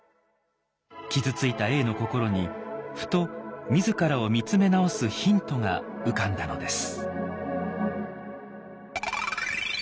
傷ついた永の心にふと自らを見つめ直すヒントが浮かんだのです。